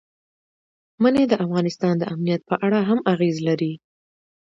منی د افغانستان د امنیت په اړه هم اغېز لري.